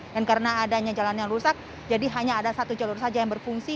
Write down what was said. dan karena adanya jalan yang rusak jadi hanya ada satu jalur saja yang berfungsi